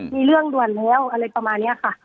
มีเรื่องด่วนแล้วอะไรประมาณนี้ค่ะ